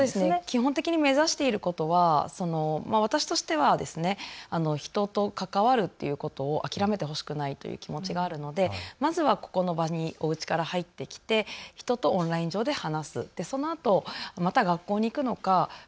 基本的に目指していることは私としては人と関わるということを諦めてほしくないという気持ちがあるので、まずはここの場におうちから入ってきて人とオンライン上で話す。